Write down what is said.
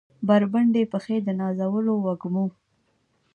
بربنډې پښې د نازولو وږمو